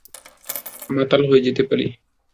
মাতাল হয়ে যেতে পারি।